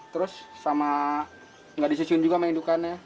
terus sama nggak disusun juga sama indukannya